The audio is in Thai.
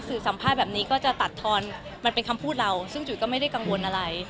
สัมภาษณ์แบบนี้ก็จะตัดทอนมันเป็นคำพูดเราซึ่งจุ๋ยก็ไม่ได้กังวลอะไร